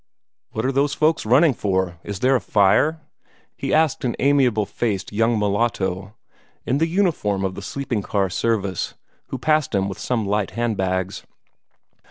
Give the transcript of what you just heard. "What are those folks running for? Is there a fire?" he asked an amiable faced young mulatto, in the uniform of the sleeping car service, who passed him with some light hand bags.